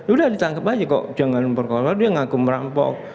udah ditangkap aja kok jangan memperkolah dia ngaku merampok